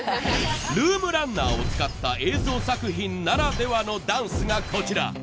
ルームランナーを使った映像作品ならではのダンスがこちら。